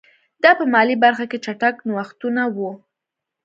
دا په مالي برخه کې چټک نوښتونه وو.